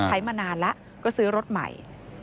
มานานแล้วก็ซื้อรถใหม่